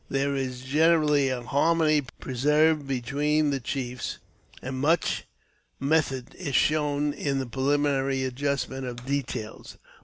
There is generally a harmony preserved between the chiefs, and much method is shown in the preliminary adjustment of details.